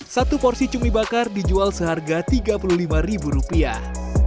satu porsi cumi bakar dijual seharga tiga puluh lima ribu rupiah